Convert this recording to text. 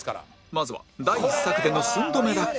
まずは第１作での寸止め落下